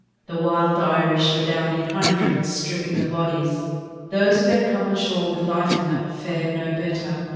The wild Irish were down in hundreds stripping the bodies. Those who had come on shore with life in them fared no better.